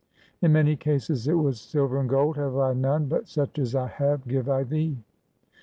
In many cases it was, " Silver and gold have I none ; but such as I have, give I thee.